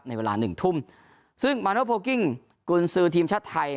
ในเวลาหนึ่งทุ่มซึ่งมาโนโพลกิ้งกุญซือทีมชาติไทย